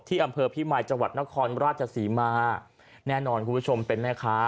อำเภอพิมายจังหวัดนครราชศรีมาแน่นอนคุณผู้ชมเป็นแม่ค้า